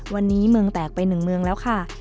วันนี้เมืองแตกไปหนึ่งเมืองแล้วค่ะ